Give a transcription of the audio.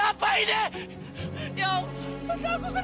ini benar benar ngadil